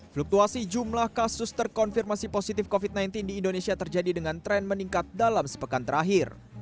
fluktuasi jumlah kasus terkonfirmasi positif covid sembilan belas di indonesia terjadi dengan tren meningkat dalam sepekan terakhir